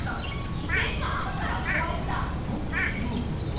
きけんがあるからこわいんだ！ということは？